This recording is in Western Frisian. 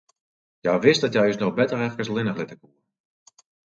Hja wist dat hja ús no better efkes allinnich litte koe.